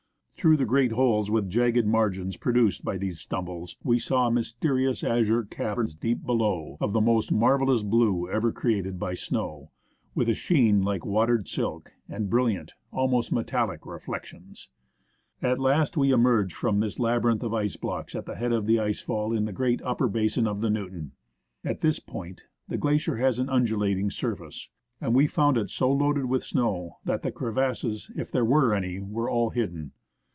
Through the great holes with jagged margins produced by these stumbles, we saw mysterious azure caverns deep below, of the most marvellous blue ever created by snow, with a sheen like watered silk, and brilliant, almost metallic reflections. At last we emerged from 143 k f • CAMP AT rllK FOOr OF A SftRAC, ON ITIF. IIIIRU CASCAnF, OV XEWTON (;i,Ai; lF.R. THE ASCENT OF MOUNT ST. ELIAS this labyrinth of ice blocks at the head of the ice fall in the great upper basin of the Newton. At this point the glacier has an undulat ing surface, and we found it so loaded with snow that the crevasses, if there were any, were all hidden.